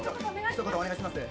一言お願いします。